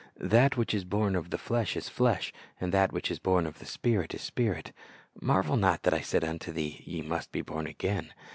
That which is born of the flesh is flesh, and that which is born of the Spirit is spirit. Marvel not that I said unto thee. Ye must be born again.